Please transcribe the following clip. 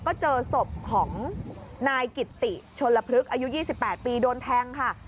ก็เจอศพของนายกิตติชนละพฤกษ์อายุ๒๘ปีโดนแทงค่ะ